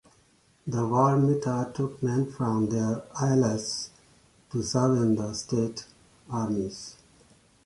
The war "mit'a" took men from their ayllus to serve in the state armies.